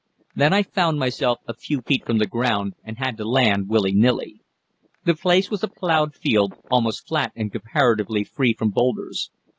Then I found myself a few feet from the ground, and had to land willy nilly. The place was a ploughed field, almost flat and comparatively free from boulders.